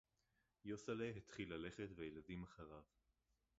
יוֹסִי’לִי הִתְחִיל לָלֶכֶת וְהַיְלָדִים אַחֲרָיו